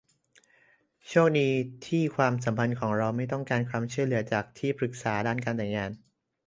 โชคดีที่ความสัมพันธ์ของเราไม่ต้องการความช่วยเหลือจากที่ปรึกษาด้านการแต่งงาน